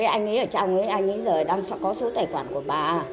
anh ấy ở trong ấy anh ấy giờ đang có số tài khoản của bà